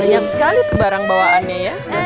banyak sekali tuh barang bawaannya ya